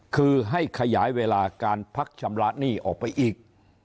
คือให้ขยายเวลาการพักชำระหนี้ออกไปอีก